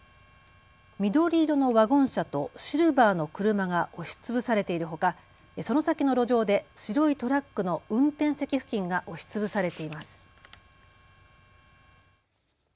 緑色のワゴン車とシルバーの車が押しつぶされているほかその先の路上で白いトラックの運転席付近が押しつぶされています。